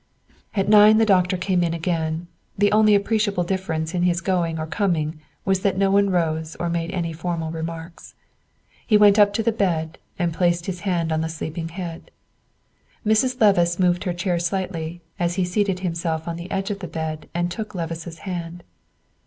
At nine the doctor came in again; the only appreciable difference in his going or coming was that no one rose or made any formal remarks. He went up to the bed and placed his hand on the sleeping head. Mrs. Levice moved her chair slightly as he seated himself on the edge of the bed and took Levice's hand.